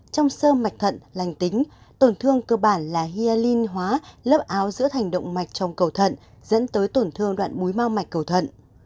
trong sơ mạch thận lành tính tổn thương cơ bản là hialin hóa lớp áo giữa thành động mạch trong cầu thận dẫn tới tổn thương đoạn búi mao mạch cầu thận